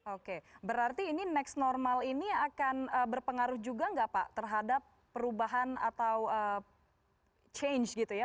oke berarti ini next normal ini akan berpengaruh juga nggak pak terhadap perubahan atau change gitu ya